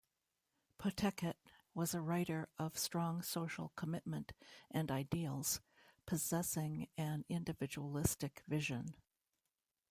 Pottekkatt was a writer of strong social commitment and ideals, possessing an individualistic vision.